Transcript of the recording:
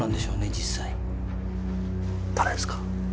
実際誰ですか？